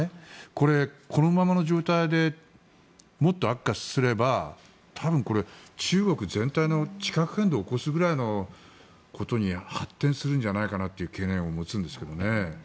これ、このままの状態でもっと悪化すれば多分、これは中国全体の地殻変動を起こすぐらいのことに発展するんじゃないかという懸念を持つんですけどね。